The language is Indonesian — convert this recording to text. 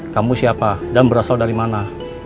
kamu siapa dan berasal dari mana